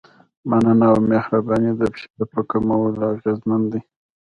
مننه او مهرباني د فشار په کمولو اغېزمن دي.